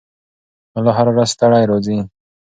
ملا هره ورځ ستړی راځي.